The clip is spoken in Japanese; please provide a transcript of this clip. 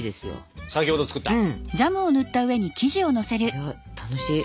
いや楽しい。